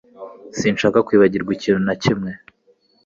Sinshaka kwibagirwa ikintu na kimwe